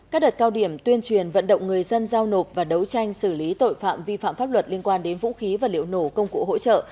các đợt cao điểm tuyên truyền vận động người dân giao nộp và đấu tranh xử lý tội phạm vi phạm pháp luật liên quan đến vũ khí và liệu nổ công cụ hỗ trợ